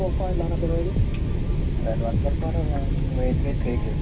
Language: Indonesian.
ada yang sudah siap atau ada yang sudah siap